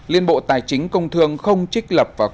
liên bộ tài chính công thương không trích lập và